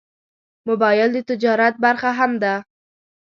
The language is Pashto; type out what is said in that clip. موبایل د تجارت برخه هم ده.